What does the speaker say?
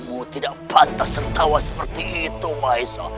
oh tidak pantas tertawa seperti itu maisa